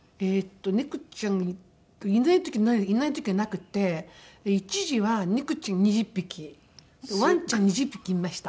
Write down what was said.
猫ちゃんいない時ないいない時がなくて一時は猫ちゃん２０匹ワンちゃん２０匹いました。